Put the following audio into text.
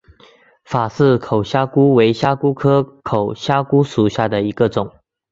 法氏口虾蛄为虾蛄科口虾蛄属下的一个种。